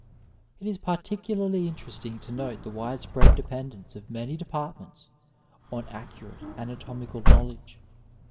It is particularly interesting to note the widespread depend ence of many departments on accurate anatomical know ledge.